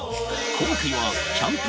今回はキャンプ